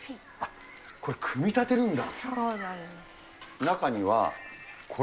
これ組み立てるんだ。